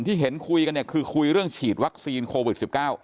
ที่เห็นคุยกันเนี่ยคือคุยเรื่องฉีดวัคซีนโควิด๑๙